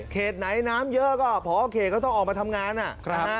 เขตไหนน้ำเยอะก็พอเขตเขาต้องออกมาทำงานนะ